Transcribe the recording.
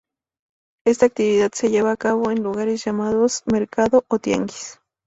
Esta actividad se llevaba a cabo en lugares llamados mercado o tianguis.